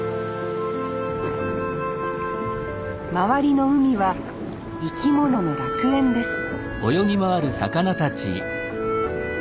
周りの海は生き物の楽園です